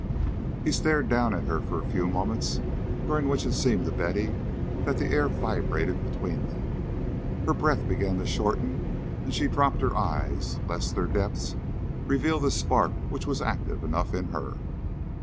He stared down at her for a few moments, during which it seemed to Betty that the air vibrated between them. Her breath began to shorten, and she dropped her eyes, lest their depths reveal the spark which was active enough in her.